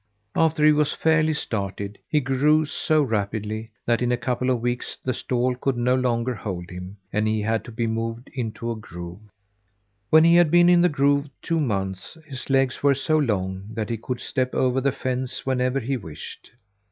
After he was fairly started, he grew so rapidly that in a couple of weeks the stall could no longer hold him, and he had to be moved into a grove. When he had been in the grove two months his legs were so long that he could step over the fence whenever he wished.